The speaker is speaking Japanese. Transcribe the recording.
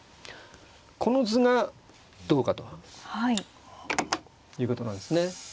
この図がどうかと。っていうことなんですね。